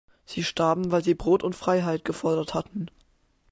Sie starben, weil sie Brot und Freiheit gefordert hatten.